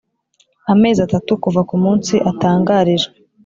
amezi atatu kuva ku munsi atangarijwe.